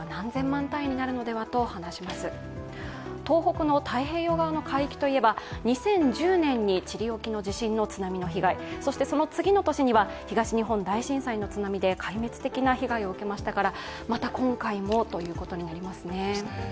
東北の太平洋側の海域といえば２０１０年にチリ沖の地震の津波の被害、その次の年には東日本大震災の津波で壊滅的な被害を受けましたからまた今回もということになりますね。